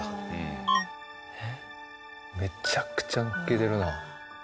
めちゃくちゃ載っけてるな。